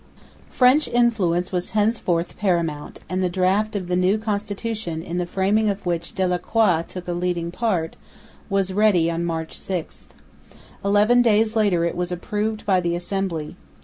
French influence was henceforth paramount; and the draft of the new Constitution, in the framing of which Delacroix took a leading part, was ready on March 6. Eleven days later it was approved by the Assembly.